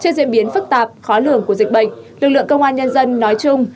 trên diễn biến phức tạp khó lường của dịch bệnh lực lượng công an nhân dân nói chung